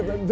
đi về đi